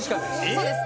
そうです